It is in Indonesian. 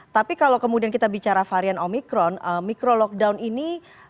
tapi kalau kemudian kita bicara varian omikron micro lockdown ini